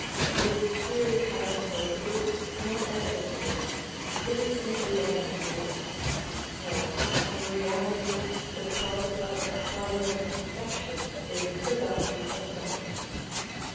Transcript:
This theory has no proofs nor evidences, it is simply an idea. No, in reality the cause of acquiring perfections is the bounty of God.